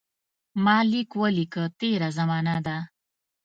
ما لیک ولیکه تېره زمانه ده.